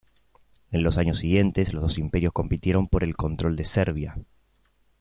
En los años siguientes los dos imperios compitieron por el control de Serbia.